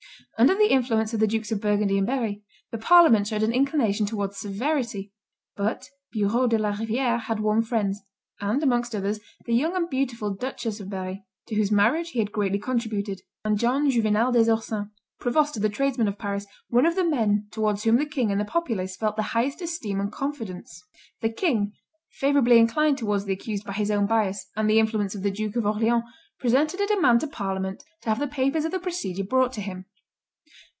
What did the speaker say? Under the influence of the Dukes of Burgundy and Berry, the parliament showed an inclination towards severity; but Bureau de la Riviere had warm friends, and amongst others, the young and beautiful Duchess of Berry, to whose marriage he had greatly contributed, and John Juvenal des Ursins, provost of the tradesmen of Paris, one of the men towards whom the king and the populace felt the highest esteem and confidence. The king, favorably inclined towards the accused by his own bias and the influence of the Duke of Orleans, presented a demand to parliament to have the papers of the procedure brought to him.